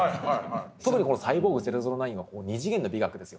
特にこの「サイボーグ００９」は二次元の美学ですよ。